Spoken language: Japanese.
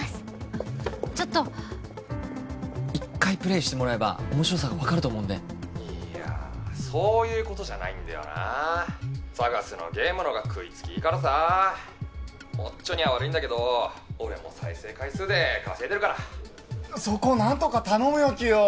あっちょっと１回プレイしてもらえば面白さが分かると思うんでいやそういうことじゃないんだよなＳＡＧＡＳのゲームのほうが食いつきいいからさモッチョには悪いんだけど俺も再生回数で稼いでるからそこを何とか頼むよキヨ